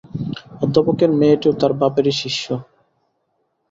অধ্যাপকের মেয়েটিও তার বাপেরই শিষ্যা।